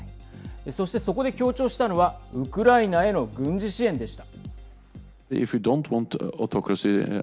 そして、そこで強調したのはウクライナへの軍事支援でした。